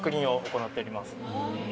行っております。